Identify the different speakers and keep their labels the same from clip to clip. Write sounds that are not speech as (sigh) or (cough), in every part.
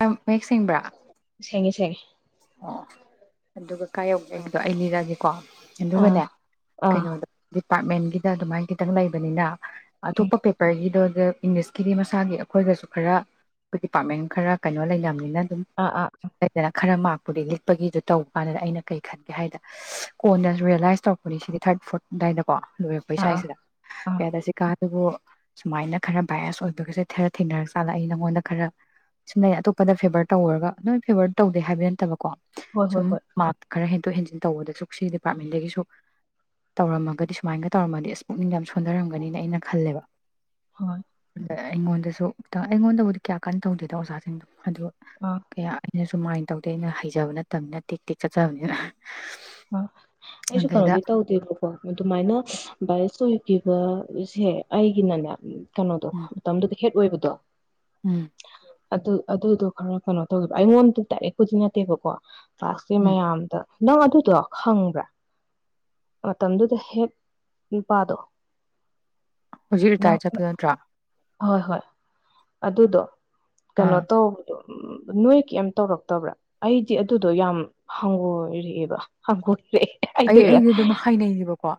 Speaker 1: ꯌꯥꯝ ꯃꯌꯦꯛ ꯁꯦꯡꯕ꯭ꯔꯥ
Speaker 2: ꯁꯦꯡꯉꯦ ꯁꯦꯡꯉꯦ
Speaker 1: ꯑꯣ ꯑꯗꯨꯒ ꯀꯥꯏ ꯌꯧꯗꯩꯗꯣ ꯑꯩ ꯂꯤꯔꯛꯑꯒꯦꯀꯣ
Speaker 2: ꯑꯥ
Speaker 1: ꯑꯗꯨꯒꯅꯦ
Speaker 2: ꯑꯥ
Speaker 1: ꯀꯩꯅꯣꯗꯣ ꯄꯥꯔ꯭ꯠꯃꯦꯟꯒꯤꯗ ꯑꯗꯨꯃꯥꯏꯅ ꯈꯤꯇꯪ ꯂꯩꯕꯅꯤꯅ
Speaker 2: ꯎꯝ
Speaker 1: ꯑꯇꯨꯞꯄ ꯄꯦꯄ꯭ꯔꯒꯤꯗꯣ ꯑꯗ ꯏꯪꯂꯤꯁꯀꯤꯗꯤ ꯃꯁꯥꯒꯤ ꯑꯩꯈꯣꯏꯒꯁꯨ ꯈꯔ ꯑꯩꯈꯣꯏ ꯗꯤꯄꯥꯔꯠꯃꯦꯟꯒ ꯈꯔ ꯀꯩꯅꯣ ꯂꯩꯅꯕꯅꯤꯅ ꯑꯗꯨꯝ
Speaker 2: ꯑꯥ ꯑꯥ
Speaker 1: ꯂꯩꯗꯅ ꯈꯔ ꯃꯥꯔ꯭ꯛ ꯨꯄꯨꯗꯤ ꯂꯤꯠꯄꯒꯤꯗꯨ ꯇꯧ ꯀꯥꯟꯗ ꯑꯩꯅ ꯀꯩ ꯈꯟꯒꯦ ꯍꯥꯏꯗ ꯀꯣꯟꯅ ꯔꯤꯌꯦꯂꯥꯏꯁ ꯇꯧꯔꯛꯄꯅꯤ ꯁꯤꯗꯤ ꯊꯥꯔ꯭ꯠ ꯐꯣꯔ꯭ꯠ ꯑꯗꯥꯏꯗ ꯀꯣ ꯂꯣꯏꯔꯛꯄꯩ
Speaker 2: ꯑꯥ ꯑꯥ
Speaker 1: ꯁꯋꯥ꯭ꯏꯁꯤꯗ
Speaker 2: ꯑꯥ
Speaker 1: ꯀꯩ ꯍꯥꯏꯇꯥ ꯁꯤ ꯀꯥꯟ ꯑꯗꯨꯕꯨ ꯁꯨꯃꯥꯏꯅ ꯈꯔ ꯚꯥꯏꯌꯁ ꯑꯣꯏꯕꯒꯁꯦ ꯈꯔ ꯊꯦꯡꯅꯔꯆꯥꯠꯂꯥ ꯑꯩ ꯅꯉꯣꯟꯗ ꯈꯔ ꯁꯤꯡꯅꯩ ꯑꯇꯣꯞꯄꯗ ꯐꯦꯕꯔ ꯇꯧꯋꯨꯔꯒ ꯅꯣꯏ ꯐꯦꯕꯔ ꯇꯧꯗꯦ ꯍꯥꯏꯕ ꯅꯠꯇꯕ
Speaker 2: ꯍꯣꯏ ꯍꯣꯏ
Speaker 1: ꯁꯨꯝ
Speaker 2: ꯍꯣꯏ
Speaker 1: ꯃꯥꯛ ꯈꯔ ꯍꯦꯟꯇꯣꯛ-ꯍꯦꯟꯖꯤꯟ ꯇꯧꯕꯗꯁꯨ ꯁꯤ ꯗꯤꯄꯥ꯭ꯔꯠꯃꯦꯟꯗꯒꯤꯁꯨ ꯇꯧꯔꯝꯃꯒꯗꯤ ꯁꯨꯃꯥꯏꯅꯒ ꯇꯧꯔꯝꯃꯗꯤ ꯏꯁ ꯄꯨꯛꯅꯤꯡ ꯌꯥꯝ ꯁꯣꯟꯗꯔꯝꯒꯅꯤꯅ ꯑꯩꯅ ꯈꯜꯂꯦꯕ
Speaker 2: ꯍꯣꯏ (inaudible)
Speaker 1: ꯑꯩꯉꯣꯟꯗꯖꯨ ꯇꯥ ꯑꯩꯉꯣꯟꯗꯕꯨꯗꯤ ꯀꯌꯥ ꯀꯟꯅ ꯇꯧꯗꯦꯗꯥ ꯑꯣꯖꯥꯒꯩꯗꯣ ꯑꯗꯨ
Speaker 2: ꯑꯥ
Speaker 1: ꯀꯌꯥ ꯑꯩꯅ ꯖꯨ ꯃꯥꯏꯟ ꯇꯧꯗꯦ ꯑꯩꯅ ꯖꯥꯕꯥ ꯅꯠꯇꯝꯅꯤꯅ ꯇꯦꯛ-ꯇꯦꯛ ꯆꯛꯆꯥꯕꯅꯤꯅ
Speaker 2: ꯑ ꯑꯩꯁꯨ ꯀꯅꯣꯗꯤ ꯇꯧꯗꯦꯕꯀꯣ ꯑꯗꯨꯃꯥꯏꯅ ꯚꯥꯏꯌꯁ ꯑꯣꯏ ꯀꯤꯒ ꯁꯦ ꯑꯩꯒꯤꯅꯅꯦ ꯀꯅꯣꯗꯣ
Speaker 1: ꯎꯝ
Speaker 2: ꯃꯇꯝꯗꯨꯗꯤ ꯍꯦꯠ ꯑꯣꯏꯕꯗꯣ
Speaker 1: ꯎꯝ
Speaker 2: ꯑꯗꯨ-ꯑꯗꯨꯗꯣ ꯈꯔ ꯀꯥꯅꯣ ꯇꯧꯗꯕ ꯑꯩꯉꯣꯟꯗ ꯗꯥꯏꯔꯦꯛꯄꯨꯗꯤ ꯅꯠꯇꯦꯕꯀꯣ ꯀꯥꯁꯤ
Speaker 1: ꯎꯝ
Speaker 2: ꯃꯌꯥꯝꯗ ꯅꯪ ꯑꯗꯨ ꯗꯣ ꯈꯪꯕ꯭ꯔꯥ ꯃꯇꯝꯗꯨꯗ ꯍꯦꯛ ꯅꯨꯄꯥꯗꯣ
Speaker 1: ꯍꯧꯖꯤꯛ
Speaker 2: ꯅꯪ
Speaker 1: ꯔꯤꯇꯥꯌꯔ ꯆꯠꯄ ꯅꯠꯇ꯭ꯔꯥ
Speaker 2: ꯍꯣꯏ ꯍꯣꯏ ꯑꯗꯨꯗꯣ ꯀꯩꯅꯣ
Speaker 1: ꯑꯥ
Speaker 2: ꯇꯧꯕꯗꯣ ꯎ ꯅꯣꯏ ꯀꯩꯝ ꯇꯧꯔꯛꯇꯕ꯭ꯔꯥ ꯑꯩꯗꯤ ꯑꯗꯨꯗꯣ ꯌꯥꯝ ꯍꯪꯒꯣꯏꯔꯛꯑꯦꯕ (unintelligible)
Speaker 1: ꯑꯩ
Speaker 2: ꯍꯥꯏꯗꯣꯏꯔꯥ
Speaker 1: ꯑꯩꯗꯤ ꯑꯗꯨꯝ ꯍꯥꯏꯅꯩꯌꯦꯕꯀꯣ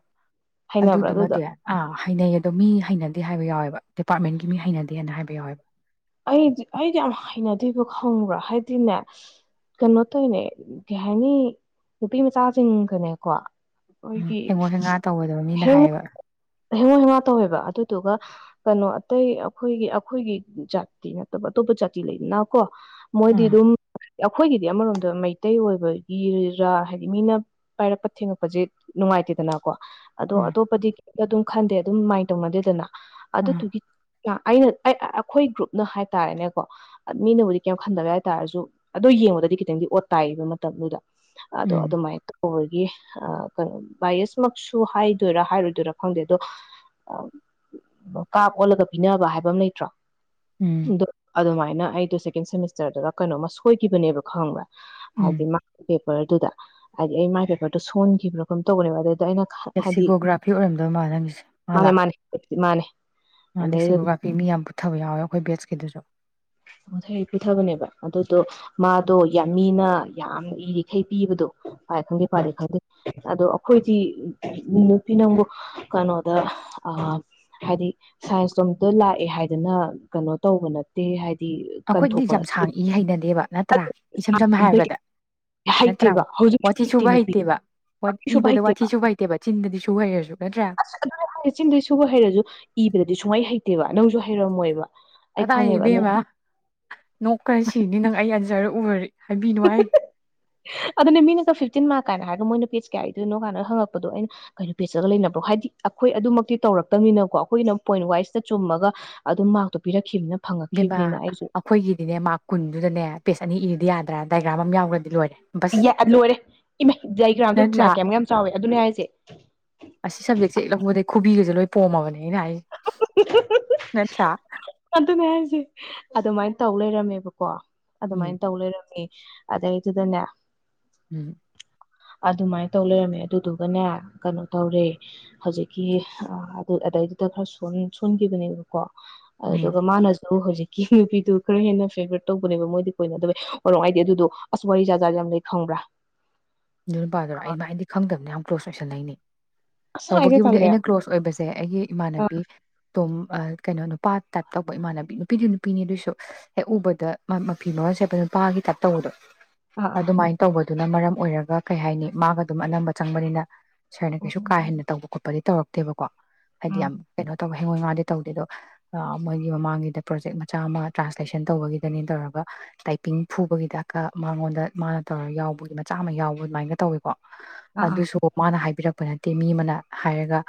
Speaker 2: ꯍꯩꯅꯕ꯭ꯔꯥ ꯑꯗꯨꯗꯣ
Speaker 1: ꯑꯗꯨꯗꯨꯃꯗꯤ ꯑꯥ ꯍꯥꯏꯅꯩꯌꯦ ꯑꯗꯣ ꯃꯤ ꯍꯩꯅꯗꯦ ꯍꯥꯏꯕ ꯌꯥꯎꯋꯦꯕ ꯗꯤꯄꯥꯔꯠꯃꯦꯟꯒꯤ ꯃꯤ ꯍꯩꯅꯗꯦꯅ ꯍꯥꯏꯕ ꯌꯥꯎꯋꯦꯕ
Speaker 2: ꯑꯩꯗꯤ ꯑꯩꯗꯤ ꯌꯥꯝ ꯍꯩꯅꯗꯦꯕ ꯈꯪꯕ꯭ꯔꯥ ꯍꯥꯏꯗꯤꯅꯦ ꯀꯩꯅꯣ ꯇꯧꯅꯦ ꯀꯩ ꯍꯥꯏꯅꯤ ꯅꯨꯄꯤ ꯃꯆꯥꯁꯤꯡꯒꯅꯦꯀꯣ
Speaker 1: ꯎꯝ
Speaker 2: ꯑꯩꯈꯣꯏꯒꯤ
Speaker 1: ꯍꯦꯡꯒꯣ ꯍꯦꯡꯒꯥ ꯇꯧꯒꯗꯕ ꯃꯤꯅ
Speaker 2: ꯍꯦꯡ
Speaker 1: ꯍꯥꯏꯌꯦꯕ
Speaker 2: ꯍꯦꯡꯉꯣ ꯍꯦꯉꯥ ꯇꯧꯋꯦꯕ ꯑꯗꯨ ꯑꯗꯨꯒ ꯀꯩꯅꯣ ꯑꯇꯩ ꯑꯈꯣꯏꯒꯤ ꯑꯈꯣꯏꯒꯤ ꯖꯥꯠ ꯤ ꯅꯠꯇꯕ ꯑꯇꯣꯞꯄ ꯖꯥꯇꯤ ꯂꯩꯗꯅ ꯀꯣ
Speaker 1: ꯎꯝ
Speaker 2: ꯃꯣꯏꯗꯤꯗꯨꯝ ꯑꯩꯈꯣꯏꯒꯤꯗꯤ ꯑꯃꯔꯣꯝꯗ ꯃꯩꯇꯩ ꯑꯣꯏꯕꯒꯤꯔꯥ ꯍꯥꯏꯗꯤ ꯃꯤꯅ ꯄꯥꯏꯔꯛꯄ ꯊꯦꯡꯉꯛꯄꯁꯦ ꯅꯨꯡꯉꯥꯏꯇꯦꯗꯅꯀꯣ ꯑꯗꯣ
Speaker 1: ꯎꯝ
Speaker 2: ꯑꯇꯣꯞꯄꯗꯤ ꯑꯗꯨꯝ ꯈꯟꯗꯦ ꯑꯗꯨꯝ ꯑꯗꯨꯃꯥꯏꯅ ꯇꯧꯅꯗꯦꯗꯅ ꯑꯗꯨ
Speaker 1: ꯎꯝ
Speaker 2: ꯇꯨꯒꯤ ꯑꯩꯅ ꯑꯩ ꯑꯩꯈꯣꯏ ꯒ꯭ꯔꯨꯞ ꯅ ꯍꯥꯏꯇꯥꯥꯔꯦꯅꯦꯀꯣ ꯃꯤꯅꯕꯨꯗꯤ ꯀꯩꯝ ꯈꯟꯗꯕ ꯍꯥꯏꯇꯥꯥꯔꯁꯨ ꯑꯗꯨꯗꯣ ꯌꯦꯡꯉꯗꯗꯤ ꯈꯤꯇꯪꯗꯤ ꯑꯣꯠ ꯇꯥꯏꯌꯦꯕ ꯃꯇꯝꯗꯨꯗ ꯑꯗꯣ
Speaker 1: ꯎꯝ
Speaker 2: ꯑꯗꯨꯃꯥꯏ ꯍꯣꯏꯒꯤ ꯀꯩꯅꯣ ꯚꯥꯏꯁꯃꯛꯁꯨ ꯍꯥꯏꯗꯣꯏꯔꯥ ꯍꯥꯏꯔꯣꯏꯗꯣꯏꯔꯥ ꯈꯪꯗꯦ ꯑꯗꯣ ꯀꯥꯞ ꯑꯣꯜꯂꯒ ꯄꯤꯅꯕ ꯍꯥꯏꯕ ꯑꯃ ꯂꯩꯇ꯭ꯔꯣ
Speaker 1: ꯎꯝ
Speaker 2: ꯑꯗꯨ ꯃꯥꯏ ꯍꯥꯏꯅ ꯑꯩꯗꯣ ꯁꯦꯀꯦꯟ ꯁꯦꯃꯤꯁꯇꯔꯗꯨꯗ ꯀꯩꯅꯣꯃ ꯁꯣꯏꯈꯤꯕꯅꯦꯕ ꯈꯪꯕ꯭ꯔꯥ
Speaker 1: ꯎꯝ
Speaker 2: ꯍꯥꯏꯗꯤ ꯃꯥ ꯄꯦꯄꯔꯗꯨꯗ ꯍꯥꯏꯗꯤ ꯑꯩ ꯃꯥꯏ ꯄꯦꯄꯔꯗꯣ ꯁꯣꯟꯈꯤꯕ꯭ꯔꯥ ꯀꯝ ꯇꯧꯕꯅꯦꯕ ꯑꯗꯨ
Speaker 1: ꯇꯦꯛꯁꯤꯒꯣꯒ꯭ꯔꯥꯐꯤ ꯑꯣꯏꯔꯝꯗꯣꯏ ꯃꯥ ꯅꯪꯒꯤꯁꯦ ꯃꯥ
Speaker 2: ꯃꯥꯅꯦ
Speaker 1: ꯂꯥꯛꯑꯣ
Speaker 2: ꯃꯥꯅꯦ ꯃꯥꯅꯦ
Speaker 1: ꯃꯥ
Speaker 2: ꯑꯗꯩꯗ
Speaker 1: ꯇꯦꯛꯁꯤꯒꯣꯒ꯭ꯔꯥꯐꯤ ꯃꯤ ꯌꯥꯝ ꯄꯨꯊꯕ ꯌꯥꯎꯋꯦ ꯑꯩꯈꯣꯏ ꯕꯦꯁ ꯈꯤꯗꯁꯨ
Speaker 2: ꯄꯨꯊꯩ ꯄꯨꯊꯕꯅꯦꯕ ꯑꯗꯨꯗꯣ ꯃꯥꯗꯣ ꯌꯥꯝ ꯃꯤꯅ ꯌꯥꯝ ꯏꯔꯤꯈꯩ ꯄꯤꯕꯗꯣ ꯄꯥꯏ ꯈꯪꯗꯦ
Speaker 1: ꯑ
Speaker 2: ꯄꯗꯦ ꯈꯪꯗꯦ ꯑꯗꯣ ꯑꯩꯈꯣꯏꯗꯤ ꯅꯨꯄꯤ ꯅꯪꯕꯨ ꯀꯩꯅꯣꯗ ꯍꯥꯏꯗꯤ ꯁꯥꯏꯟꯁꯇꯣꯝꯇ ꯂꯥꯛꯑꯦ ꯍꯥꯏꯗꯅ ꯀꯩꯅꯣ ꯇꯧꯕ ꯅ ꯍꯥꯏ
Speaker 1: ꯑꯩꯈꯣꯏꯗꯤ ꯌꯥꯝꯁꯥꯡ ꯏ ꯍꯩꯅꯗꯦꯕ ꯅꯠꯇ꯭ꯔꯥ ꯏꯁꯝ ꯁꯝꯅ
Speaker 2: ꯏꯕꯩ
Speaker 1: ꯍꯥꯏꯔꯕꯗ ꯅꯠꯇ꯭ꯔꯥ
Speaker 2: ꯍꯩꯇꯦꯕ ꯍꯧꯖꯤꯛꯁꯨ
Speaker 1: ꯋꯥꯊꯤ
Speaker 2: ꯍꯩꯇꯦ
Speaker 1: ꯁꯨꯕ
Speaker 2: ꯅꯨꯄꯤ
Speaker 1: ꯍꯩꯇꯦꯕ
Speaker 2: ꯋꯥꯔꯤ ꯁꯨꯕ
Speaker 1: ꯏꯕꯗ
Speaker 2: ꯍꯩꯇꯦꯕ
Speaker 1: ꯋꯥꯊꯤ ꯁꯨꯕ ꯍꯩꯇꯦꯕ ꯆꯤꯟꯗꯗꯤ ꯁ ꯁꯨꯍꯩꯔꯁꯨ
Speaker 2: ꯑꯁ ꯆꯤꯡꯗꯩ ꯁꯨꯕ ꯍꯩꯔꯁꯨ ꯏꯕꯗꯗꯤ ꯁꯨꯡꯃꯩ ꯍꯩꯇꯦꯕ ꯅꯪꯁꯨ ꯍꯩꯔꯝꯃꯣꯏꯕ ꯑꯩ
Speaker 1: ꯀꯗꯥꯏ
Speaker 2: ꯈꯪꯉꯦꯕ ꯑꯗꯨ
Speaker 1: ꯏꯕꯦꯝꯃ ꯅꯣꯛ ꯈꯔ ꯁꯤꯅꯤ ꯅꯪ ꯑꯩ (unintelligible) ꯖꯔ ꯎꯃꯔꯤ (unintelligible) ꯍꯥꯏꯕꯤꯅꯨ ꯍꯥꯏ (unintelligible)
Speaker 2: ꯑꯗꯨꯅꯦ ꯃꯤꯅꯒ ꯐꯤꯞꯇꯤꯟ ꯃꯥꯔꯛ ꯀꯥꯏꯅ ꯍꯥꯏꯔꯒ ꯃꯣꯏꯅ ꯄꯦꯖ ꯀꯌꯥ ꯏꯗꯣꯏꯅꯣ ꯀꯥꯏꯅ ꯍꯪꯉꯛꯄꯗꯣ ꯑꯩꯅ ꯀꯩꯅꯣ ꯄꯦꯖꯇꯒ ꯂꯩꯅꯕ꯭ꯔꯣ ꯍꯥꯏꯗꯤ ꯑꯩꯈꯣꯏ ꯑꯗꯨꯃꯛꯇꯤ ꯇꯧꯔꯛꯇꯕꯅꯤꯅꯀꯣ ꯑꯩꯈꯣꯏꯅ ꯄꯣꯏꯟꯠ ꯋꯥꯏꯁꯇ ꯆꯨꯝꯃꯒ ꯑꯗꯨꯝ ꯃꯥꯔꯛꯇꯣ ꯄꯤꯔꯛꯈꯤꯕꯅꯤꯅ
Speaker 1: ꯕꯦꯝꯃꯥ
Speaker 2: ꯐꯪꯉꯛꯈꯤꯕꯅꯤꯅ ꯑꯩꯁꯨ
Speaker 1: ꯑꯩꯈꯣꯏꯒꯤꯗꯤꯅꯦ ꯃꯥꯔꯛ ꯀꯨꯟꯗꯨꯗꯅꯦ ꯄꯦꯁ ꯑꯅꯤ ꯏꯗꯤ ꯌ꯭ꯗꯔꯥ ꯗꯥꯏꯒ꯭ꯔꯥꯝ ꯑꯃ ꯌꯥꯎꯈ꯭ꯔꯗꯤ ꯂꯣꯏꯔꯦ ꯕꯁ
Speaker 2: ꯌꯥ ꯂꯣꯏꯔꯦ ꯏꯃꯥ ꯗꯥꯏꯒꯔ꯭ꯥꯝ ꯗꯣ
Speaker 1: ꯅꯠꯇ꯭ꯔꯥ
Speaker 2: ꯃꯔ꯭ꯥꯀ ꯀꯌꯥꯃꯨꯛ ꯌꯥꯝ ꯆꯥꯎꯋꯦ ꯑꯗꯨꯅꯦ ꯍꯥꯏꯁꯦ
Speaker 1: ꯑꯁꯤ ꯁꯞꯖꯦꯛꯁꯦ ꯍꯦꯛ ꯂꯧꯕꯗꯩꯩ ꯈꯨꯕꯤꯒꯁꯦ ꯂꯣꯏ ꯄꯣꯝꯃꯕꯅꯦ ꯑꯩꯅ ꯍꯥꯏꯁꯦ ꯅꯠꯇ꯭ꯔꯥ
Speaker 2: ꯑꯗꯨꯅꯦ ꯍꯥꯏꯁꯦ ꯑꯗꯨꯃꯥꯏꯅ ꯇꯧ ꯂꯩꯔꯝꯃꯦꯕꯀꯣ
Speaker 1: ꯎꯝ
Speaker 2: ꯑꯗꯨꯃꯥꯏꯅ ꯇꯧ ꯂꯩꯔꯝꯃꯦ ꯑꯗꯩꯩꯗꯨꯗꯅꯦ
Speaker 1: ꯎꯝ
Speaker 2: ꯑꯗꯨꯃꯥꯏꯅ ꯇꯧ ꯂꯩꯔꯝꯃꯦ ꯑꯗꯨꯗꯨꯒꯅꯦ ꯀꯩꯅꯣ ꯇꯧꯔꯦ ꯍꯧꯖꯤꯛꯀꯤ (unintelligible) ꯗ ꯈꯔ ꯁꯣꯟꯈꯤꯕꯅꯦꯕꯀꯣ
Speaker 1: ꯎꯝ
Speaker 2: ꯑꯗꯨꯒ ꯃꯥꯅꯁꯨ ꯍꯧꯖꯤꯛ (unintelligible) ꯅꯨꯄꯤꯗꯨ ꯈꯔ ꯍꯦꯟꯅ ꯐꯦꯚꯔꯠ ꯇꯧꯕꯅꯦꯕ ꯃꯣꯏꯗꯤ ꯀꯣꯏꯅꯗꯕꯩ ꯍꯣꯏꯔꯣꯡ ꯑꯩꯗꯤ ꯑꯗꯨꯗꯣ ꯑꯁ ꯋꯥꯔꯤ ꯖꯥꯠ ꯖꯥꯠ ꯌꯥꯝ ꯂꯩ ꯈꯪꯕ꯭ꯔꯥ
Speaker 1: ꯑꯗꯨ ꯅꯨꯄꯥꯗꯨꯔꯣ ꯑꯩꯩꯅ ꯍꯥꯏꯗꯤ ꯈꯪꯗꯕꯅꯦ ꯌꯥꯝ ꯀꯂ꯭ꯣꯖ ꯑꯣꯏꯁꯟꯅꯩꯅꯦ
Speaker 2: ꯑꯁ ꯍꯥꯏꯖꯦ
Speaker 1: ꯇꯧꯕꯒꯤꯕꯨꯗꯤ
Speaker 2: ꯇꯜꯂꯦ
Speaker 1: ꯑꯩꯅ ꯀ꯭ꯂꯣꯁ ꯑꯣꯏꯕꯁꯦ ꯑꯩꯒꯤ
Speaker 2: ꯑꯥ
Speaker 1: ꯏꯃꯥꯟꯅꯕꯤ ꯗꯨꯝ ꯀꯩꯅꯣ ꯅꯨꯄꯥ ꯇꯥꯏꯞ ꯇꯧꯕ ꯏꯃꯥꯟꯅꯕꯤ ꯅꯨꯄꯤꯗꯤ ꯅꯨꯄꯤꯅꯤ ꯑꯗꯨꯏꯁꯨ ꯍꯦꯛ ꯎꯕꯗ ꯃꯐꯤ ꯃꯔꯣꯟ ꯁꯦꯠꯄꯗ ꯅꯨꯄꯥꯒꯤ ꯇꯥꯏꯞ ꯇꯧꯕꯗꯣ
Speaker 2: ꯑꯥ
Speaker 1: ꯑꯗꯨꯃꯥꯏ ꯇꯧꯕ ꯑꯗꯨꯅ ꯃꯔꯝ ꯑꯣꯏꯔ ꯀꯩ ꯍꯥꯏꯅꯤ ꯃꯥꯒ ꯑꯗꯨꯝ ꯑꯅꯝꯕ ꯆꯪꯕꯅꯤꯅ ꯁꯔꯅ
Speaker 2: ꯑꯥ
Speaker 1: ꯀꯩꯁꯨ ꯀꯥ ꯍꯦꯟꯅ ꯇꯧꯕ ꯈꯣꯠꯄꯗꯒꯤ ꯇꯧꯔꯛꯇꯦꯕꯥ ꯀꯣ ꯍꯥꯏꯗꯤ ꯌꯥꯝ ꯀꯩꯅꯣ ꯇꯧꯌꯦ ꯍꯦꯉꯣ ꯍꯦꯉꯥꯗꯤ ꯇꯧꯗꯦ ꯑꯗꯣ ꯃꯣꯏꯒꯤ ꯃꯃꯥꯡꯒꯤꯗ ꯄ꯭ꯔꯣꯖꯦꯛ ꯃꯆꯥ ꯑꯃ ꯇ꯭ꯔꯥꯟꯁꯂꯦꯁꯟ ꯇꯧꯕꯒꯤꯗꯅꯦ ꯇꯧꯔꯒ ꯇꯥꯏꯄꯤꯡ ꯐꯨꯕꯒꯤꯗꯀ ꯃꯥꯉꯣꯟꯗ ꯃꯥꯅ ꯇꯧꯔꯒ ꯌꯥꯎꯕꯒꯤ ꯃꯆꯥ ꯑꯃ ꯌꯥꯎꯌꯦ ꯑꯗꯨꯃꯥꯏꯅ ꯇꯧꯏꯀꯣ
Speaker 2: ꯑꯥ ꯑꯥ
Speaker 1: ꯑꯗꯨꯁꯨ ꯃꯥꯅ ꯍꯥꯏꯕꯤꯔꯛ ꯄꯥ ꯅꯠꯇꯦ ꯃꯤ ꯑꯃꯅ ꯍꯥꯏꯔꯒ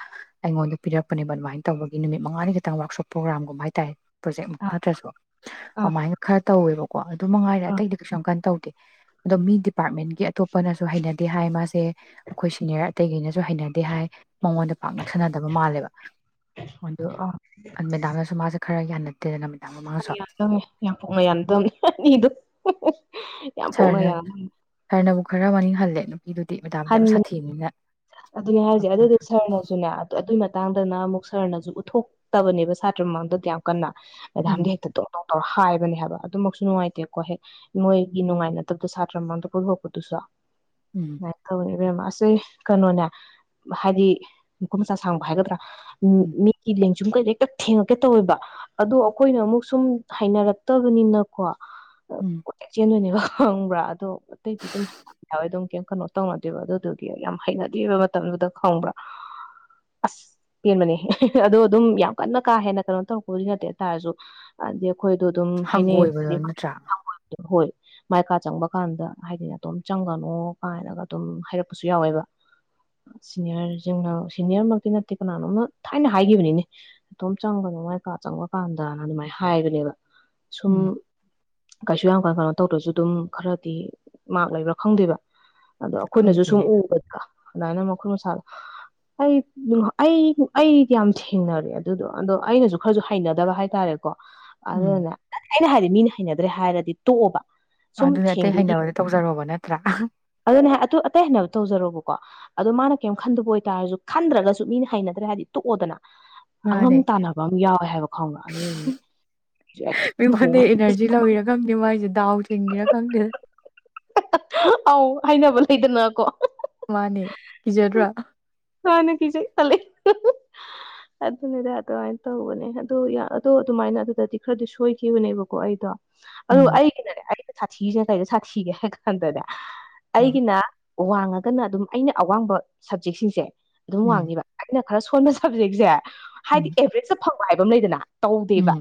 Speaker 1: ꯑꯩꯉꯣꯟꯗ ꯄꯤꯔꯛꯄꯅꯦꯕ ꯑꯗꯨꯃꯥꯏꯅ ꯇꯧꯕꯒꯤ ꯅꯨꯃꯤꯠ ꯃꯉꯥꯅꯤ ꯇꯪ ꯋꯥꯔꯛꯁꯣꯞ ꯄ꯭ꯔꯣꯒ꯭ꯔꯥꯝꯒꯨꯝꯕ ꯍꯥꯏꯇꯥꯔꯦ ꯄ꯭ꯔꯣꯖꯦꯛꯃꯨꯛ ꯅꯠꯇ꯭ꯔꯁꯨ
Speaker 2: ꯑꯥ ꯑꯥ
Speaker 1: ꯑꯗꯨꯃꯥꯏꯅ ꯈꯔ ꯇꯧꯋꯦꯕ ꯀꯣ ꯑꯗꯨ ꯃꯉꯥꯏꯔꯦ ꯑꯇꯩꯗꯤ ꯀꯩꯁꯨ ꯌꯝ ꯀꯟ ꯇꯧꯗꯦ ꯑꯗꯣ ꯃꯤ ꯗꯤꯄꯥꯔꯠꯃꯦꯟꯒꯤ ꯑꯇꯣꯞ ꯄꯅꯁꯨ ꯍꯩꯅꯗꯦ ꯍꯥꯏ ꯃꯥꯁꯦ ꯑꯩꯈꯣꯏ ꯁꯤꯅꯤꯌꯔ ꯑꯇꯩꯒꯩꯅꯁꯨ ꯍꯩꯅꯗꯦ ꯍꯥꯏ ꯃꯉꯣꯟꯗ ꯄꯥꯛ ꯅꯥꯛꯁꯟꯅꯗꯕ ꯃꯜꯂꯦꯕ ꯑꯗꯨ
Speaker 2: ꯑꯥ ꯑꯥ
Speaker 1: ꯃꯦꯗꯥꯝꯅꯁꯨ ꯈꯔ ꯌꯥꯅꯗꯦꯗꯅ ꯃꯦꯗꯥꯝ ꯃꯃꯥꯡꯁꯨ
Speaker 2: ꯌꯥꯝ ꯐꯣꯡꯅ ꯌꯥꯅꯗꯝꯅꯦ ꯑꯅꯤꯗꯨ ꯌꯥꯝ
Speaker 1: ꯁꯥꯔꯅ
Speaker 2: ꯐꯣꯡꯅꯒ (unintelligible)
Speaker 1: ꯁꯥꯔꯅꯕꯨ ꯈꯔ ꯃꯅꯤꯡ ꯍꯜꯂꯦ ꯃꯤꯗꯨꯗꯤ ꯃꯦꯗꯥꯝꯗꯤ ꯌꯥꯝ ꯁꯥꯊꯤꯕꯅꯤꯅ
Speaker 2: ꯑꯗꯨꯅꯦ ꯍꯥꯏꯁꯦ ꯑꯗꯨꯗꯤ ꯁꯔꯅꯁꯨꯅꯦ ꯑꯗꯨ ꯃꯇꯥꯡꯗꯅ ꯑꯃꯨꯛ ꯁꯔꯅꯁꯨ ꯎꯠꯊꯣꯛꯇꯕꯅꯦꯕ ꯁꯥꯇ꯭ꯔ ꯃꯃꯥꯡꯗ ꯑꯗꯨꯌꯥꯝ ꯀꯟꯅ ꯃꯦꯗꯥꯝ
Speaker 1: ꯎꯝ
Speaker 2: ꯗꯤ ꯍꯦꯛꯇꯥ ꯗꯣꯡ ꯗꯣꯡ ꯍꯥꯏꯕꯅꯦ ꯍꯥꯏꯕ ꯑꯗꯨꯃꯛꯁꯨ ꯅꯨꯡꯉꯥꯏꯇꯦꯀꯣ ꯍꯦꯛ ꯃꯣꯏꯒꯤ ꯅꯨꯡꯉꯥꯏꯅꯗꯕꯗ ꯁꯥꯇ꯭ꯔ ꯃꯉꯥꯡꯗ ꯄꯨꯊꯣꯛꯄꯗꯨꯁꯨ
Speaker 1: ꯎꯝ
Speaker 2: (unintelligible) ꯃꯥꯁꯦ ꯀꯩꯅꯣꯅꯦ ꯍꯥꯏꯗꯤ ꯃꯈꯨꯠ ꯃꯁꯥ ꯁꯥꯡꯕ ꯍꯥꯏꯒꯗ꯭ꯔꯥ (unintelligible)
Speaker 1: ꯎꯝ
Speaker 2: (unintelligible) ꯁꯨꯝ ꯀꯩ ꯍꯦꯛꯇ ꯊꯦꯡꯉꯛꯀꯦ ꯇꯧꯋꯦꯕ ꯑꯗꯣ ꯑꯩꯈꯣꯏꯅ ꯑꯃꯨꯛ ꯁꯨꯝ ꯍꯥꯏꯅꯔꯛꯇꯕꯅꯤꯅꯀꯣ
Speaker 1: ꯎꯝ
Speaker 2: ꯆꯦꯟꯗꯣꯏꯅꯦꯕꯥ ꯈꯪꯕ꯭ꯔꯥ ꯑꯗꯣ ꯑꯇꯩꯗꯤ ꯑꯗꯨꯝ (unintelligible) ꯑꯗꯨꯝ ꯀꯩ ꯀꯩꯅꯣ ꯇꯧꯅꯗꯦꯕ ꯑꯗꯨꯗꯨꯒꯤ ꯌꯥꯝ ꯍꯩꯅꯗ꯭ꯔꯤꯕ ꯃꯇꯝꯗꯨꯗ ꯈꯪꯕ꯭ꯔꯥ ꯑꯁ ꯄꯦꯟꯕꯅꯦ ꯑꯗꯣ ꯑꯗꯨꯝ ꯌꯥꯝ ꯀꯟꯅ ꯀꯥ ꯍꯦꯟꯅ ꯀꯩꯅꯣ ꯇꯧꯔꯛꯄꯕꯨꯗꯤ ꯅꯠꯇꯦ ꯍꯥꯏꯇꯥꯥꯔꯁꯨ ꯑꯩꯈꯣꯏꯗꯣ ꯑꯗꯨꯝ ꯍꯥꯏꯅꯩ
Speaker 1: ꯍꯪꯒꯣꯏꯕꯗꯣ ꯅꯠꯇ꯭ꯔꯥ
Speaker 2: (unintelligible) ꯍꯣꯏ ꯃꯥꯏ ꯀꯥ ꯆꯪꯕ ꯀꯥꯟꯗ ꯍꯥꯏꯗꯤꯅꯦ ꯅꯥꯇꯣꯝ ꯆꯪꯒꯅꯣ ꯀꯥꯏꯅꯒ ꯑꯗꯨꯝ ꯍꯥꯏꯔꯛꯄꯁꯨ ꯌꯥꯎꯋꯦꯕ ꯁꯤꯅꯤꯌꯔꯁꯤꯡꯅ ꯁꯤꯅꯤꯌꯔꯃꯛꯇꯤ ꯅꯠꯇꯦ ꯀꯅꯥꯅꯣꯝꯅ ꯊꯥꯏꯅ ꯍꯥꯏꯈꯤꯕꯅꯤꯅꯦ ꯅꯇꯣꯝ ꯆꯪꯒꯅꯣ ꯃꯥꯏ ꯀꯥ ꯆꯪꯕ ꯀꯥꯟꯗꯅ ꯑꯗꯨꯃꯥꯏꯅ ꯍꯥꯏꯕꯅꯦꯕ ꯁꯨꯝ
Speaker 1: ꯎꯝ
Speaker 2: ꯀꯩꯁꯨ ꯌꯥꯝ ꯀꯩꯅꯣ ꯇꯧꯗ꯭ꯔꯁꯨ ꯑꯗꯨꯝ ꯈꯔꯗꯤ ꯃꯥꯛ ꯂꯩꯕ꯭ꯔꯥ ꯈꯪꯗꯦꯕ ꯑꯗꯣ ꯑꯩꯈꯣꯏꯅꯁꯨ ꯁꯨꯝ
Speaker 1: ꯈꯪꯗꯦꯅꯦ
Speaker 2: ꯎꯕꯗ ꯑꯗꯨꯃꯥꯏꯅ ꯃꯈꯨꯜ ꯃꯁꯥꯗꯣ ꯑꯩ ꯑꯩ ꯑꯩꯗꯤ ꯌꯥꯝ ꯊꯦꯡꯅꯔꯦ ꯑꯗꯨꯗꯣ ꯑꯗꯣ ꯑꯩꯅꯁꯨ ꯈꯔꯁꯨ ꯍꯩꯅꯗꯕ ꯍꯥꯏꯇꯥꯔꯦ
Speaker 1: ꯎꯝ
Speaker 2: ꯑꯗꯨꯅꯅꯦ ꯑꯩꯅ ꯍꯥꯏꯗꯤ ꯃꯤꯅ ꯍꯩꯅꯗ꯭ꯔꯦ ꯍꯥꯏꯔꯗꯤ ꯇꯣꯛꯑꯣꯕ ꯁꯨꯝ
Speaker 1: ꯑꯗꯨꯅꯦ ꯑꯇꯩ
Speaker 2: ꯊꯦꯡꯗꯣꯏꯒꯤ
Speaker 1: ꯍꯩꯅꯕꯗꯤ ꯇꯧꯖꯔꯨꯕ ꯅꯠꯇ꯭ꯔꯥ
Speaker 2: ꯑꯦꯇꯩ ꯍꯩꯅꯕꯗ ꯇꯧꯖꯔꯣꯕ ꯀꯣ ꯑꯗꯣ ꯃꯥꯅ ꯀꯩꯝ ꯈꯟꯗꯕ ꯑꯣꯏꯇꯥꯔꯁꯨ ꯈꯟꯗ꯭ꯔꯒꯁꯨ ꯃꯤꯅ ꯍꯩꯅꯗ꯭ꯔꯦ ꯍꯥꯏꯗꯤ ꯇꯣꯛꯑꯣꯗꯅ ꯑꯉꯝ
Speaker 1: ꯃꯥꯅꯦ
Speaker 2: ꯇꯥꯟꯅꯕ ꯑꯃ ꯌꯥꯎꯋꯦ ꯍꯥꯏꯕ ꯈꯪꯕ
Speaker 1: ꯃꯤꯉꯣꯟꯗꯩ ꯑꯦꯅꯔꯖꯤ ꯂꯧꯔꯤꯔꯥ ꯈꯪꯗꯦ ꯃꯥꯏꯁꯦ ꯗꯥꯎ ꯆꯤꯡꯉꯤꯔꯥ ꯈꯪꯗꯦ
Speaker 2: (unintelligible) (unintelligible) ꯑꯧ ꯍꯥꯏꯅꯕ ꯤꯣꯀꯣ
Speaker 1: ꯃꯥꯅꯦ ꯀꯤꯖꯗ꯭ꯔꯥ
Speaker 2: ꯍꯥꯟꯅ ꯄꯤꯖꯩ ꯈꯂꯦ ꯑꯗꯨꯅꯤꯗ ꯑꯗꯨꯃꯥꯏꯅ ꯇꯧꯕꯅꯦ ꯑꯗꯨꯗꯣ ꯑꯗꯣ ꯑꯗꯨꯃꯥꯏꯅ ꯑꯗꯨꯗꯗꯤ ꯈꯔꯗꯤ ꯁꯣꯏꯈꯤꯕꯅꯦꯕꯀꯣ ꯑꯩꯗꯣ ꯑꯗꯨ
Speaker 1: ꯎꯝ
Speaker 2: ꯑꯩꯒꯤꯅꯔꯦꯒꯤ ꯁꯥꯊꯁꯤꯦ ꯀꯩꯗ ꯁꯥꯊꯤꯒꯦ ꯍꯥꯏ ꯀꯥꯟꯗꯅꯦ
Speaker 1: ꯎꯝ
Speaker 2: ꯑꯩꯒꯤꯅ ꯋꯥꯡꯉꯒꯅ ꯑꯗꯨꯝ ꯑꯩꯅ ꯑꯋꯥꯡꯕ ꯁꯕꯖꯦꯛꯁꯤꯡꯁꯦ ꯑꯗꯨꯝ
Speaker 1: ꯎꯝ
Speaker 2: ꯋꯥꯡꯉꯤꯕ ꯑꯩꯅ ꯈꯔ ꯁꯣꯟꯕ ꯁꯕꯖꯦꯛꯁꯦ
Speaker 1: ꯎꯝ
Speaker 2: ꯍꯥꯏꯗꯤ ꯑꯦꯚꯔꯦꯖ ꯆ ꯐꯪ ꯍꯥꯏꯕ ꯑꯃ ꯂꯩꯗꯅ ꯇꯧꯗꯦꯕ
Speaker 1: ꯎꯝ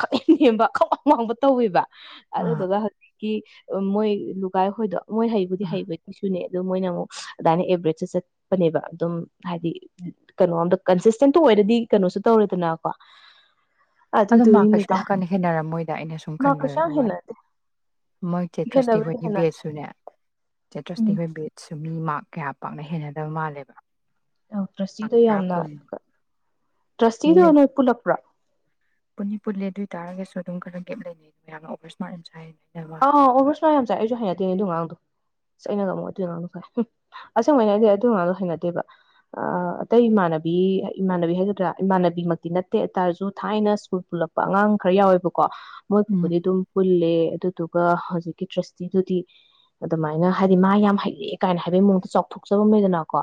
Speaker 2: ꯈꯛ ꯅꯦꯝꯕ ꯈꯛꯋꯥꯡ ꯋꯥꯡꯕ ꯇꯧꯋꯕ ꯑꯗ
Speaker 1: ꯑꯥ
Speaker 2: ꯑꯗꯨꯒ ꯎ ꯃꯣꯏ ꯂꯨꯒꯥꯏ ꯍꯣꯏꯗꯣ ꯃꯣꯏ ꯍꯩꯕꯨꯗꯤ
Speaker 1: ꯑꯥ
Speaker 2: ꯍꯩꯕ ꯏꯁꯨꯅꯦ ꯑꯗꯨ ꯃꯣꯏꯅ ꯑꯃꯨꯛ ꯑꯗꯨꯃꯥꯏꯅ ꯑꯦꯕꯔꯦꯖꯇ ꯆꯠ ꯅꯦꯕ ꯑꯗꯨꯝ ꯍꯥꯏꯗꯤ ꯀꯩꯅꯣ ꯑꯝꯗ ꯀꯟꯁꯤꯁꯇꯦꯟꯇꯣ ꯑꯣꯏꯔꯗꯤ ꯀꯩꯅꯣꯁꯨ ꯇꯧꯔꯦꯗꯅꯀꯣ
Speaker 1: ꯑꯗꯣ ꯃꯥ ꯀꯩꯁꯨ
Speaker 2: ꯑꯗꯨꯗꯨꯒꯤꯅꯤꯗ
Speaker 1: ꯌꯥꯝ ꯀꯟꯅ ꯍꯦꯟꯅꯔꯝꯃꯣꯏꯗ ꯑꯩꯅ ꯁꯨꯝ
Speaker 2: ꯃꯥ
Speaker 1: ꯈꯟꯕ
Speaker 2: ꯀꯩꯁꯨ ꯌꯥꯝ
Speaker 1: ꯋꯥꯅꯤ
Speaker 2: ꯍꯦꯟꯅꯗꯦ
Speaker 1: ꯃꯣꯏ ꯆꯦꯇ꯭ꯔꯁꯇꯤ
Speaker 2: ꯍꯦꯟꯅꯕꯨꯗꯤ
Speaker 1: ꯍꯣꯏꯒꯤ
Speaker 2: ꯍꯦꯟꯅꯗꯦ
Speaker 1: ꯕꯦꯠꯁꯨꯅꯦ ꯆꯦꯇ꯭ꯔꯁꯇꯤ
Speaker 2: ꯎꯝ
Speaker 1: ꯍꯣꯏ ꯕꯦꯠ ꯃꯤ ꯃꯥꯔ ꯀꯌꯥ ꯄꯥꯛꯅ ꯍꯦꯟꯅꯗꯕ ꯃꯥꯜꯂꯦꯕ
Speaker 2: ꯑ
Speaker 1: ꯃꯥꯔꯛ
Speaker 2: ꯇ꯭ꯔꯁꯇꯤꯗꯣ
Speaker 1: ꯇꯔꯥ
Speaker 2: ꯌꯥꯝꯅ
Speaker 1: ꯀꯨꯟ
Speaker 2: ꯇ꯭ꯔꯁꯇꯤꯗꯅ ꯄꯨꯜꯂꯛꯄ꯭ꯔꯥ
Speaker 1: ꯄꯨꯅꯤ ꯄꯨꯜꯂꯦ ꯑꯗꯨ ꯑꯣꯏ ꯇꯔꯒꯁꯨ ꯑꯗꯨꯝ ꯈꯔ ꯒꯦꯞ ꯂꯩꯅꯩ ꯑꯗꯨ ꯌꯥꯝꯅ ꯑꯣꯕꯔ ꯏꯁꯃꯥꯔꯠ ꯆ ꯍꯥꯏꯅꯩ
Speaker 2: ꯑꯥ ꯑꯣꯕꯁꯨꯅꯌꯥꯝ ꯆꯥꯏ ꯑꯩꯁꯨ ꯍꯅꯗꯦꯅꯦꯗꯣ ꯑꯉꯥꯡꯗꯣ ꯁꯩꯅꯒ ꯑꯃꯨꯛ ꯑꯗꯨꯏ ꯑꯉꯥꯡꯗꯣ ꯁ ꯑꯁꯦꯡꯕꯅ ꯑꯩꯗꯤ ꯑꯗꯨ ꯑꯉꯥꯡꯗꯣ ꯍꯩꯅꯗꯦꯕ ꯑ ꯑꯇꯩ ꯏꯃꯥꯟꯅꯕꯤ ꯏꯃꯥꯟꯅꯕꯤ ꯍꯥꯏꯒꯗ꯭ꯔꯥ ꯏꯃꯥꯟꯅꯕꯤꯃꯛꯇꯤ ꯅꯠꯇꯦ ꯑꯗꯨꯇꯥꯔꯁꯨ ꯊꯥꯏꯅ ꯁ꯭ꯀꯨꯜ ꯄꯨꯜꯂꯛꯄ ꯑꯉꯥꯡ ꯈꯔ ꯌꯥꯎꯋꯦꯕꯀꯣ
Speaker 1: ꯎꯝ
Speaker 2: ꯃꯣꯏꯕꯨꯗꯤ ꯑꯗꯨꯝ ꯄꯨꯜꯂꯦ ꯑꯗꯨ ꯑꯗꯨꯒ ꯍꯧꯖꯤꯛꯀꯤ ꯇ꯭ꯔꯁꯇꯤꯗꯨꯗꯤ ꯑꯗꯨꯃꯥꯏꯅ ꯍꯥꯏꯗꯤ ꯃꯥ ꯌꯥꯝ ꯍꯩꯔꯑꯦ ꯀꯥꯏꯅ ꯍꯥꯏꯕꯩ ꯃꯑꯣꯡꯗ ꯆꯥꯎꯊꯣꯛꯆꯕꯝ ꯂꯩꯗꯅꯀꯣ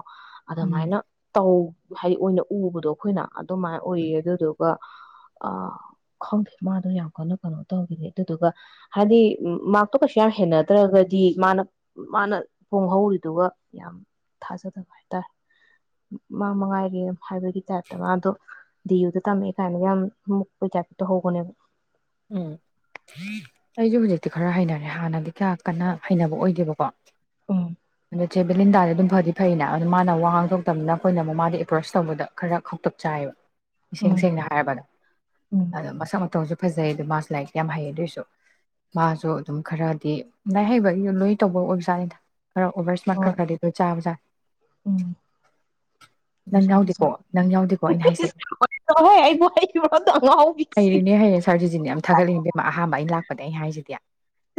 Speaker 1: ꯎꯝ
Speaker 2: ꯑꯗꯨꯃꯥꯏꯅ ꯇꯧ ꯍꯥꯏꯗꯤ ꯑꯣꯏꯅ ꯎꯕꯗꯣ ꯑꯩꯈꯣꯏꯅ ꯑꯗꯨꯃꯥꯏꯅ ꯑꯣꯏꯌꯦ ꯑꯗꯨꯗꯨꯒ ꯑ ꯈꯪꯗꯦ ꯃꯥꯗꯣ ꯌꯥꯝ ꯀꯟꯅ ꯀꯩꯅꯣ ꯇꯧꯈꯤꯅꯤ ꯑꯗꯨꯗꯨꯒ ꯍꯥꯏꯗꯤ ꯃꯥꯔꯛꯇꯣ ꯀꯩꯁꯨ ꯌꯥꯝ ꯍꯦꯟꯅꯗ꯭ꯔꯒꯗꯤ ꯃꯥꯅ ꯃꯥꯅ ꯐꯣꯡ ꯍꯧꯧꯔꯤꯗꯨꯒ ꯌꯥꯝ ꯊꯥꯖꯗꯕ ꯍꯥꯏꯇꯥꯔꯦ ꯃꯥ ꯃꯉꯥꯏꯔꯤ ꯍꯥꯏꯕꯒꯤ ꯇꯥꯏꯞꯇ ꯃꯥ ꯑꯗꯣ ꯗꯤꯌꯨꯗ ꯇꯝꯃꯦꯦ ꯀꯥꯏꯅꯒ ꯌꯥꯝ ꯃꯨꯛꯄꯩ ꯇꯥꯏꯞꯄ ꯇꯧꯍꯧꯕꯅꯦꯕ
Speaker 1: ꯎꯝ ꯑꯩꯁꯨ ꯍꯧꯖꯤꯛꯇꯤ ꯈꯔ ꯍꯩꯅꯔꯦ ꯍꯥꯟꯅꯗꯤ ꯀꯌꯥ ꯀꯟꯅ ꯍꯩꯅꯕ ꯑꯣꯏꯗꯦꯕꯀꯣ
Speaker 2: ꯎꯝ
Speaker 1: ꯑ ꯁꯦ ꯕꯦꯂꯤꯟꯗꯥꯗꯤ ꯑꯗꯨꯝ ꯐꯗꯤ ꯐꯩꯩꯅ ꯑꯗꯨ ꯃꯥꯅ ꯋꯥꯍꯥꯡ ꯊꯣꯛꯣꯛꯇꯕꯅꯤꯅ ꯑꯩꯈꯣꯏꯅ ꯃꯥꯗꯤ ꯑꯦꯄ꯭ꯔꯣꯁ ꯇꯧꯕꯗ ꯈꯔ ꯈꯥꯎꯇꯛ ꯆꯥꯏꯌꯦꯕ ꯏꯁꯦꯡ
Speaker 2: ꯎꯝ
Speaker 1: ꯁꯦꯡꯅ ꯍꯥꯏꯔꯕꯗꯣ
Speaker 2: ꯎꯝ
Speaker 1: ꯑꯗꯣ ꯃꯁꯛ ꯃ ꯇ ꯐꯖꯩ ꯑꯗ ꯃꯥꯁꯨ ꯂꯥꯏꯔꯤꯛꯇꯤ ꯌꯥꯝ ꯍꯩ ꯑꯗꯨꯑꯣꯏꯁꯨ ꯃꯥꯁꯨ ꯑꯗꯨꯝ ꯈꯔꯗꯤ ꯂꯥꯏꯔꯤꯛ ꯍꯩꯕ ꯂꯣꯏ ꯇꯧꯕ ꯑꯣꯏꯕꯖꯥꯠꯅꯤꯗ ꯈꯔ ꯑꯣꯚꯔ ꯏꯁꯃ ꯈꯜ
Speaker 2: ꯍꯣꯏ
Speaker 1: ꯈ꯭ꯔꯗꯤ ꯑꯗꯨ ꯆꯥꯕꯖꯥ
Speaker 2: ꯎꯝ
Speaker 1: ꯅꯪ
Speaker 2: ꯕ꯭ꯔꯁꯥꯟꯇꯤ
Speaker 1: ꯌꯥꯎꯗꯦꯀꯣ
Speaker 2: ꯆꯥꯎ
Speaker 1: ꯅꯪ ꯌꯥꯎꯗꯦꯀꯣ ꯑꯩꯅ ꯍꯥꯏꯁꯩ
Speaker 2: ꯑ
Speaker 1: ꯍꯩꯔꯤꯅꯦ ꯍꯩꯔꯦ ꯁꯥꯔꯖꯤꯅꯦ ꯌꯥꯝ ꯊꯥꯒꯠꯂꯤꯉꯗ ꯑꯍꯥꯟꯕ ꯑꯩꯅ ꯂꯥꯛꯄꯅꯦ ꯑꯩꯅ ꯍꯥꯏꯁꯤꯗꯤ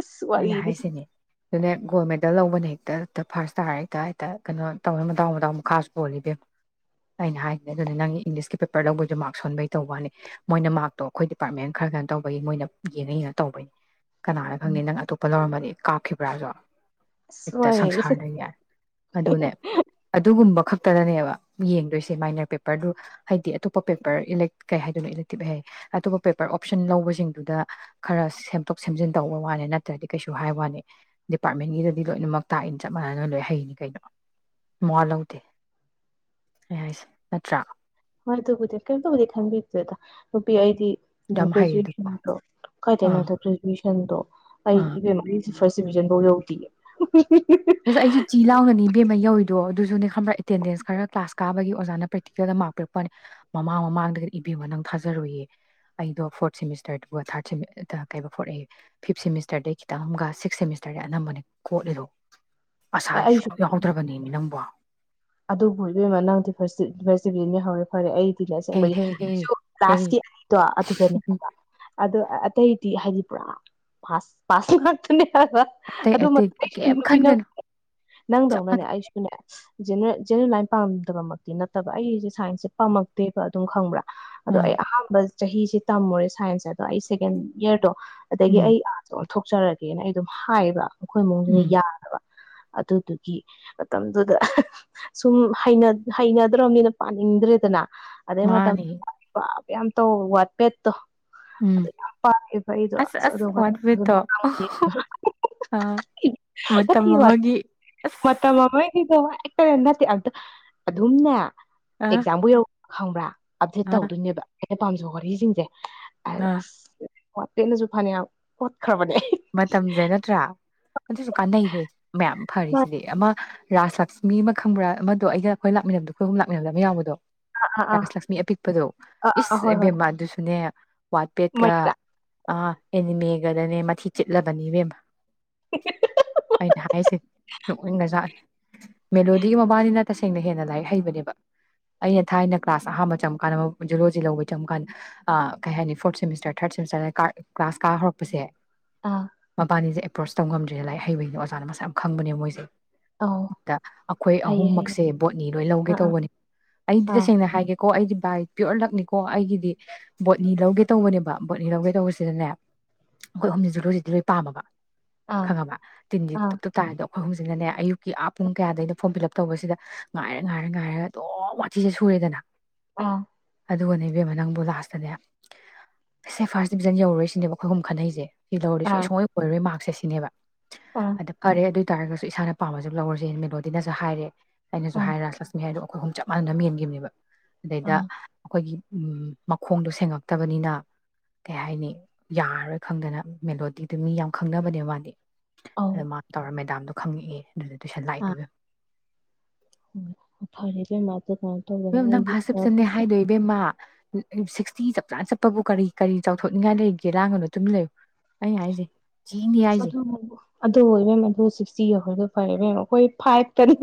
Speaker 2: ꯑꯁ ꯋꯥꯔꯤꯗꯤ
Speaker 1: ꯍꯥꯏꯁꯤꯅꯦ ꯑꯗꯨꯅꯦ ꯒꯣꯜ ꯃꯦꯗꯜ ꯂꯧꯕꯅꯦ ꯍꯦꯛꯇ ꯍꯦꯛꯇ ꯐꯥꯔꯁ ꯇꯥꯔ ꯍꯦꯛꯇ ꯍꯦꯛꯇ ꯀꯩꯅꯣ ꯇꯧꯔ ꯃꯇꯗꯥꯎ ꯃꯇꯗꯥꯎꯥꯁꯨ ꯄꯣꯜꯂꯤꯕꯦꯝ ꯑꯩꯅ ꯍꯥꯏꯈꯤꯅꯦ ꯑꯗꯨꯅꯦ ꯅꯪꯒꯤ ꯏꯪꯂꯤꯁꯀꯤ ꯄꯦꯄꯔ ꯂꯧꯕꯩꯗꯨꯣ ꯃꯥꯔꯛ ꯁꯣꯟꯕꯩ ꯇꯧꯕꯅꯤ ꯃꯣꯏꯅ ꯃꯥꯔꯛꯇꯣ ꯑꯩꯈꯣꯏ ꯗꯤꯄꯥꯔꯠꯃꯦꯟ ꯈꯔ ꯈꯅ ꯇꯧꯕꯒꯤ ꯃꯣꯏꯅ ꯌꯦꯡꯉꯩꯅꯅ ꯇꯧꯕꯅꯤ ꯀꯅꯥꯅ ꯈꯪꯅꯤ ꯅꯪ ꯑꯇꯣꯞꯄ ꯂꯧꯔꯝꯃꯅꯤ ꯀꯥꯈꯤꯕꯕ꯭ꯔꯥꯖꯣ
Speaker 2: ꯑꯁ
Speaker 1: ꯍꯦꯛꯇ
Speaker 2: ꯋꯥꯔꯤꯗꯤ
Speaker 1: ꯁꯪꯁꯥꯔꯗ ꯌꯥꯏ ꯑꯗꯨꯅꯦ ꯑꯗꯨꯒꯨꯝꯕ ꯈꯛ ꯈꯛꯇꯗꯅꯦꯕ ꯌꯦꯡꯗꯣꯏꯁꯦ ꯃꯥꯏꯅꯔ ꯄꯦꯄꯔꯗꯨ ꯍꯥꯏꯗꯤ ꯑꯇꯣꯞꯄ ꯄꯦꯄꯔ ꯏꯂꯦꯛ ꯀꯩ ꯍꯥꯏꯗꯣꯏꯅꯣ ꯇꯤꯞꯍꯩ ꯑꯇꯣꯞꯄ ꯄꯦꯄꯔ ꯑꯣꯞꯁꯟ ꯂꯧꯕꯁꯤꯡꯗꯨꯗ ꯈꯔ ꯁꯦꯝꯗꯣꯛ ꯁꯦꯝꯖꯤꯟ ꯇꯧꯕ ꯋꯥꯅꯤ ꯅꯠꯇ꯭ꯔꯗꯤ ꯀꯩꯁꯨ ꯍꯥꯏ ꯋꯥꯅꯤ ꯗꯤꯄꯥꯔꯠꯃꯦꯟꯒꯤꯗꯗꯤ ꯂꯣꯏꯅꯃꯛ ꯇꯥꯛꯏꯅꯤ ꯆꯞ ꯃꯥꯟꯅꯅ ꯂꯣꯏꯅ ꯍꯩꯅꯤ ꯀꯩꯅꯣ ꯋꯥ ꯂꯧꯗꯦ ꯑꯩ ꯍꯥꯏꯁꯦ ꯅꯠꯇ꯭ꯔꯥ
Speaker 2: ꯍꯣꯏ ꯇꯕꯨꯗꯤ ꯀꯩꯅꯝꯣ ꯇꯕꯨꯗꯤ ꯈꯟꯕꯤꯗꯦꯗ ꯅꯨꯄꯤ ꯑꯩꯗꯤ ꯎꯝ
Speaker 1: ꯌꯥꯝ ꯍꯩ ꯑꯗꯨꯕꯨ
Speaker 2: ꯭ꯔꯦꯖꯨꯌꯦꯦꯁꯟꯗꯣ ꯀꯥꯏꯇꯅ
Speaker 1: ꯑꯥ
Speaker 2: ꯃꯇꯝ ꯭ꯔꯦꯖꯨꯋꯦꯁꯟꯗꯣ
Speaker 1: ꯑꯥ
Speaker 2: ꯑꯩ ꯐꯥꯔꯁ ꯗꯤꯕꯤꯖꯟꯐꯧ ꯌꯧꯗꯦ
Speaker 1: ꯑꯁ ꯑꯩꯁꯨ ꯆꯤ ꯂꯥꯎꯅꯅꯤ ꯕꯦꯝꯃ ꯌꯧꯔꯤ ꯑꯗꯣ ꯑꯗꯨꯁꯨꯅꯦ ꯈꯪꯕ꯭ꯔꯥ ꯑꯦꯇꯦꯟꯗꯦꯟꯁ ꯈꯔ ꯀ꯭ꯂꯥꯁ ꯀꯥꯕꯒꯤ ꯑꯣꯖꯥꯅ ꯄ꯭ꯔꯦꯛꯇꯤꯀꯦꯜꯗ ꯃꯥꯥꯛ ꯄꯤꯔꯛꯄꯅꯤ ꯃꯃꯥꯡ ꯃꯃꯥꯡꯗꯒ ꯏꯕꯤꯨ ꯅꯪ ꯊꯥꯖꯔꯨꯏꯌꯦ ꯑꯩꯗꯣ ꯐꯣꯔꯠ ꯁꯦꯃꯤꯁꯇꯔꯗꯨꯕꯨ ꯊꯥꯔꯠ ꯀꯩꯕ ꯐꯣꯔꯛꯑꯦ ꯐꯤꯞ ꯁꯦꯃꯤꯁꯇꯔꯗꯩ ꯈꯤꯇꯪ ꯑꯃꯒ ꯁꯤꯛꯁ ꯁꯦꯃꯤꯁꯇꯔꯗ ꯑꯅꯝꯕꯅꯦ ꯀꯣꯠꯂꯤꯔꯣ ꯑꯁꯥꯏꯁꯨ
Speaker 2: ꯑꯩꯁꯨ
Speaker 1: ꯌꯥꯎꯗ꯭ꯔꯕꯅꯦ ꯃꯤ ꯅꯪꯕꯣ
Speaker 2: ꯑꯗꯨꯕꯨ ꯏꯕꯦꯝꯃ ꯅꯪꯗꯤꯤꯚꯅꯤ ꯍꯧꯔꯦ ꯐꯔꯦ ꯑꯩ ꯅ
Speaker 1: ꯍꯦ
Speaker 2: ꯆꯕꯒꯤ
Speaker 1: ꯍꯦ ꯍꯦ
Speaker 2: ꯑꯩꯁꯨ
Speaker 1: ꯍꯦ
Speaker 2: ꯀ꯭ꯂꯥꯁꯀꯤ ꯑꯅꯤꯗꯣ
Speaker 1: ꯎꯝ
Speaker 2: ꯑꯗꯨꯗꯅꯦꯕ ꯑ ꯑꯇꯩꯗꯤ ꯍꯥꯏꯗꯤ ꯄꯨ꯭ꯔꯥꯁꯨ ꯉꯥꯛꯇꯅꯦ
Speaker 1: ꯑꯇꯩ
Speaker 2: ꯑꯗꯨ
Speaker 1: ꯑꯇꯩ
Speaker 2: ꯑꯩꯁꯨ
Speaker 1: ꯀꯩꯝ
Speaker 2: ꯅꯨꯄꯤ ꯅ
Speaker 1: ꯈꯟꯒꯅꯨ ꯆꯞ
Speaker 2: ꯅꯪꯗꯧꯅꯅꯦ ꯑꯩꯁꯨꯅꯦ (inaudible) ꯖꯦꯦꯜ ꯖꯦꯅꯔꯦꯜ ꯂꯥꯏꯟ ꯄꯥꯝꯗꯕꯃꯛꯇꯤ ꯅꯠꯇꯕ ꯑꯩꯁꯦ ꯁꯥꯏꯟꯁꯁꯦ ꯄꯥꯝꯃꯛꯇꯦꯕ ꯑꯗꯨꯝ ꯈꯪꯕ꯭ꯔꯥ ꯑꯗꯣ
Speaker 1: ꯑꯥ
Speaker 2: ꯑꯩ ꯑꯍꯥꯟꯕ ꯆꯍꯤꯁꯤꯦ ꯇꯝꯃꯨꯔꯦ ꯁꯥꯏꯟꯁ ꯑꯗꯣ ꯑꯩ ꯁꯦꯀꯦꯟ ꯌꯔꯗꯣ ꯑꯗꯒꯤ
Speaker 1: ꯎꯝ
Speaker 2: ꯑꯩ ꯊꯣꯛꯆꯔꯒꯦꯅ ꯑꯩ ꯑꯗꯨꯝ ꯍꯥꯏꯌꯦꯕ ꯃꯈꯣꯏ ꯃꯑꯣꯡꯁꯤꯗ
Speaker 1: ꯎꯝ
Speaker 2: ꯌꯥꯗꯕ ꯑꯗꯨꯗꯨꯒꯤ ꯃꯇꯝꯗꯨꯗ ꯁꯨꯝ ꯍꯩꯅꯗ꯭ꯔꯕꯅꯤꯅ ꯄꯥꯅꯤꯡꯗ꯭ꯔꯦꯗꯅ ꯑꯗꯦ ꯃꯥ
Speaker 1: ꯃꯥꯅꯦ
Speaker 2: ꯌꯥꯝ ꯇ ꯋꯥꯠꯄꯦꯠ
Speaker 1: ꯎꯝ
Speaker 2: ꯑꯗꯨ ꯌꯥꯝ ꯄꯥꯝꯃꯦ ꯐꯩꯗꯣ ꯑꯁ ꯑꯗꯨꯊꯤ
Speaker 1: ꯑꯥ ꯃꯇꯝ
Speaker 2: ꯋꯥꯠꯂꯦ
Speaker 1: ꯑꯃꯒꯤ ꯑꯁ
Speaker 2: ꯃꯇꯝ ꯑꯃꯒꯤꯗꯣ ꯀ ꯅꯠꯇꯦ ꯑꯝꯇ ꯑꯗꯨꯝꯅꯦ
Speaker 1: ꯑꯥ
Speaker 2: ꯑꯦꯛꯖꯥꯝꯕꯨ ꯌꯥꯎ ꯈꯪꯕ꯭ꯔꯥ ꯑꯞꯗꯦꯠ
Speaker 1: ꯑꯥ
Speaker 2: ꯇꯧꯗꯣꯏꯅꯦꯕ ꯑꯦ ꯄꯥꯝꯖꯣ ꯋꯥꯔꯤꯖꯤꯡꯖꯦ
Speaker 1: ꯑꯥ
Speaker 2: (unintelligible) (unintelligible) ꯍꯣꯠꯈꯔꯕꯅꯦ
Speaker 1: ꯃꯇꯝꯁꯦ ꯅꯠꯇ꯭ꯔꯥ ꯑꯗꯨꯁꯨ ꯀꯥꯟꯅꯩꯍꯦ ꯃꯌꯥꯝ
Speaker 2: ꯃꯥ-
Speaker 1: ꯐꯔꯤꯁꯤꯗꯤ ꯑꯃ ꯔꯥꯁ ꯂꯛꯁꯃꯤ ꯑꯃ ꯈꯪꯕ꯭ꯔꯥ ꯑꯃꯗꯣ ꯑꯩꯒ ꯈꯣꯏ ꯂꯥꯛꯃꯤꯟꯅꯕꯗꯣ ꯈꯣꯏꯍꯨꯝ ꯂꯥꯛꯃꯤꯟꯅꯕꯗ ꯑꯃ ꯌꯥꯎꯕꯗꯣ
Speaker 2: ꯑꯥ ꯑꯥ
Speaker 1: ꯔꯥꯁ ꯂꯛꯁꯃꯤ ꯑꯄꯤꯛꯄꯗꯣ
Speaker 2: ꯑꯥ ꯑꯥ
Speaker 1: ꯏꯁ
Speaker 2: ꯍꯣꯏ ꯍꯣꯏ
Speaker 1: ꯏꯕꯦꯝꯃ ꯑꯗꯨꯁꯨꯅꯦ ꯋꯥꯠꯄꯦꯠ ꯀ
Speaker 2: ꯃꯩꯔꯥ
Speaker 1: ꯑ ꯑꯦꯅꯤꯃꯦ ꯒꯅꯥꯅꯦ ꯃꯊꯤ ꯆꯤꯠꯂꯗꯕꯅꯤ ꯏꯕꯦꯝꯃꯥ ꯑꯩꯅ ꯍꯥꯥꯏꯁꯦ ꯅꯣꯛꯅꯤꯡꯒꯔꯖꯥꯠꯅꯦ ꯃꯦꯂꯣꯗꯤ ꯃꯕꯥꯅꯤꯅ ꯇꯁꯦꯡꯅ ꯍꯦꯟꯅ ꯂꯥꯏꯔꯤꯛ ꯍꯩꯕꯅꯦꯕ ꯑꯩꯅ ꯊꯥꯏꯅ ꯀ꯭ꯂꯥꯁ ꯑꯍꯥꯟꯕ ꯆꯪꯕꯀꯥꯟꯗ ꯖꯨꯂꯣꯖꯤ ꯂꯧꯕꯩ ꯆꯪꯕ ꯀꯥꯟꯗ ꯑꯥ ꯀꯩ ꯍꯥꯏꯅꯤ ꯐꯣꯔꯠ ꯁꯦꯃꯤꯁꯇꯔ ꯊꯥꯔꯠ ꯁꯦꯃꯤꯁꯇꯔꯅ ꯀ꯭ꯂꯥꯁ ꯀꯥ ꯍꯧꯔꯛꯄꯁꯦ
Speaker 2: ꯑꯥ
Speaker 1: ꯃꯕꯥꯅꯤꯁꯦ ꯑꯦꯄ꯭ꯔꯣꯁ ꯇꯧ ꯉꯝꯗꯔꯦ ꯂꯥꯏꯔꯤꯛ ꯍꯩꯕꯩꯅꯦ ꯑꯣꯖꯥꯅ ꯃꯁꯥꯛ ꯈꯪꯕꯅꯦ ꯃꯣꯏꯁꯦ
Speaker 2: ꯑꯧ
Speaker 1: ꯑꯗ ꯑꯩꯈꯣꯏ
Speaker 2: ꯍꯩꯌꯦ ꯍꯩꯌꯦ
Speaker 1: ꯑꯍꯨꯝꯃꯛꯁꯦ ꯕꯣꯠꯅꯤ ꯂꯣꯏ ꯂꯧꯒꯦ
Speaker 2: ꯑꯥ
Speaker 1: ꯇꯧꯕꯅꯦ ꯑꯩꯗꯤ
Speaker 2: ꯑꯥ
Speaker 1: ꯇꯁꯦꯡꯅ ꯍꯥꯏꯒꯦꯀꯣ ꯑꯩꯗꯤ ꯕꯥꯏ ꯄꯤꯌꯣꯔ ꯂꯛꯅꯤꯀꯣ ꯑꯩꯒꯤꯗꯤ ꯕꯣꯠꯅꯤ ꯂꯧꯒꯦ ꯇꯧꯕꯅꯦꯕ ꯕꯣꯠꯅꯤ ꯂꯧꯒꯦ ꯇꯧꯕꯁꯤꯗꯅꯦ ꯑꯩꯈꯣꯏ ꯑꯍꯨꯝꯖꯦ ꯖꯨꯂꯣꯖꯤ ꯂꯣꯏ ꯄꯥꯝꯃꯕ
Speaker 2: ꯑꯥ
Speaker 1: ꯈꯪꯉꯕ ꯇꯤꯟꯖꯤ
Speaker 2: ꯑꯥ
Speaker 1: ꯇꯨꯞ ꯇꯨꯞ ꯇꯥꯏꯗꯣ ꯑꯩꯈꯣꯏ ꯍꯧꯖꯤꯛꯅꯅꯦ ꯑꯌꯨꯛꯀꯤ ꯑꯥ ꯄꯨꯡ ꯀꯌꯥꯗꯩꯅꯣ ꯐꯣꯝ ꯐꯤꯜ ꯑꯞ ꯇꯧꯕꯖꯤꯗ ꯉꯥꯏꯔ ꯉꯥꯏꯔ ꯉꯥꯏꯔꯒ ꯑꯗꯨꯝ ꯋꯥꯊꯤꯁꯦ ꯁꯨꯔꯦꯗꯅ
Speaker 2: ꯑꯥ
Speaker 1: ꯑꯗꯨꯒꯅꯦ ꯏꯕꯦꯝꯃ ꯅꯪꯕꯨ ꯂꯥꯁꯇꯅꯦ ꯁꯦ ꯐꯥꯔꯁ ꯗꯤꯕꯤꯖꯟ ꯌꯧꯔꯥꯔꯣꯏꯁꯤꯅꯦꯕ ꯑꯩꯈꯣꯏꯍꯨꯝꯅ ꯈꯟꯅꯩꯖꯦ ꯁꯤ ꯂꯧꯔ
Speaker 2: ꯑꯥ
Speaker 1: ꯁꯨꯡꯑꯣꯏ ꯑꯣꯏꯔꯔꯣꯏ ꯃꯥꯔꯛꯁꯦꯁꯤ ꯅꯦꯕ
Speaker 2: ꯑꯥ
Speaker 1: ꯑꯗ ꯐꯔꯦ ꯑꯗꯨ ꯇꯥꯔꯒꯁꯨ ꯏꯁꯥꯅ ꯄꯥꯝꯕꯖꯦ ꯂꯧꯔꯖꯦ ꯃꯦꯂꯣꯗꯤꯗꯖꯨ ꯍꯥꯏꯔꯦ ꯑꯩꯅꯁꯨ ꯍꯥꯏꯔꯦ ꯔꯖꯂꯛꯁꯃꯤ ꯍꯥꯏꯔꯛꯑꯣ ꯈꯣꯏꯍꯨꯝ ꯆꯞ ꯃꯥꯟꯅꯅ ꯃꯦꯟꯒꯤꯕꯅꯦꯕ ꯑꯗꯩꯗ
Speaker 2: ꯑꯥ
Speaker 1: ꯑꯩꯈꯣꯏꯒꯤ ꯎꯝ ꯃꯈꯣꯡꯗꯣ ꯁꯦꯡꯉꯛꯇꯕꯅꯤꯅ ꯀꯩ ꯍꯥꯏꯅꯤ ꯌꯥꯔꯔꯣꯏ ꯈꯪꯗꯅ ꯃꯦꯂꯣ ꯗꯤ ꯗꯨ ꯃꯤ ꯌꯥꯝ ꯈꯪꯅꯕꯅꯦ ꯃꯥꯅꯦ
Speaker 2: ꯑꯧ
Speaker 1: ꯑꯗ ꯃꯥ ꯇꯧꯔꯝꯃꯦ (unintelligible) ꯈꯪꯉꯛꯑꯦ ꯇꯨꯏꯁꯟ ꯂꯥꯛꯏꯗꯣ ꯏꯕꯦꯝ
Speaker 2: ꯎꯝ ꯐꯔꯦ ꯏꯕꯦꯝꯃꯥ
Speaker 1: ꯏꯕꯦꯝ ꯅꯪ ꯐꯥꯔ ꯆꯞꯆꯟꯅꯦꯦ ꯍꯥꯏꯗꯣꯏ ꯏꯕꯦꯝꯃ ꯁꯤꯛꯁꯇꯤ ꯆꯞ ꯆꯥꯅ ꯆꯠꯄꯕꯨ ꯀꯔꯤ ꯀꯔꯤ ꯆꯥꯎꯊꯣꯛꯅꯤꯡꯉꯥꯏ ꯂꯩꯒꯦ ꯂꯥꯡꯒꯅꯣ ꯇꯨꯝ ꯂꯩꯌꯨ ꯑꯩꯅ ꯍꯥꯏꯁꯦ ꯊꯤꯅꯤ
Speaker 2: ꯑ
Speaker 1: ꯍꯥꯏꯁꯦ
Speaker 2: ꯑꯗꯨ ꯑꯗꯨ ꯑꯣꯏ ꯃꯦꯝ ꯑꯗꯨ ꯁꯤꯛꯁꯇꯤ ꯌꯧ꯭ꯔꯒ ꯐꯔꯦ ꯃꯦꯝꯉꯣ ꯑꯩꯣꯏ ꯐꯥꯏꯚꯇꯅꯦ